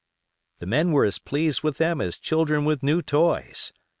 The men were as pleased with them as children with new toys.